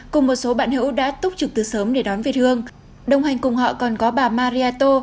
cùng một số bạn hữu đã túc trực từ sớm để đón việt hương đồng hành cùng họ còn có bà mariato